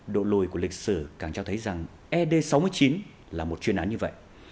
độ lùi của lịch sử càng cho thấy rằng ed sáu mươi chín là một chuyên án như vậy